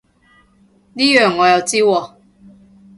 呢樣我又知喎